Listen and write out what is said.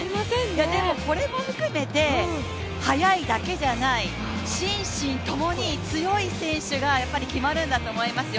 でも、これも含めて速いだけじゃない心身ともに強い選手が決まるんだと思いますよ。